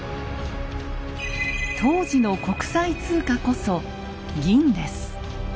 当時の国際通貨こそ銀です。